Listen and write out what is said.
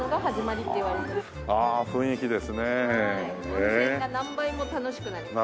温泉が何倍も楽しくなります。